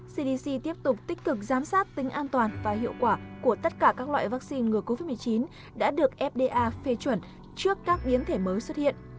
cdc tiếp tục tích cực giám sát tính an toàn và hiệu quả của tất cả các loại vaccine ngừa covid một mươi chín đã được fda phê chuẩn trước các biến thể mới xuất hiện